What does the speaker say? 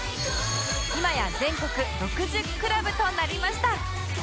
今や全国６０クラブとなりました